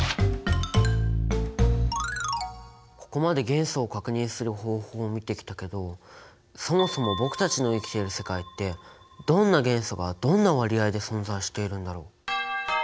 ここまで元素を確認する方法を見てきたけどそもそも僕たちの生きてる世界ってどんな元素がどんな割合で存在しているんだろう？